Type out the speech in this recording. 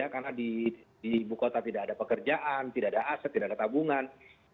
karena di buku kota tidak ada pekerjaan tidak ada aset tidak ada tabungan